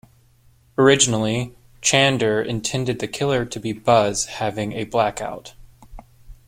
Originally, Chander intended the killer to be Buzz having a blackout.